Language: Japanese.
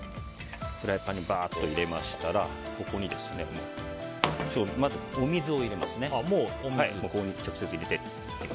フライパンにばーっと入れましたらここに、まずお水を入れます。